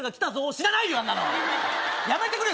知らないよあんなのやめてくれよ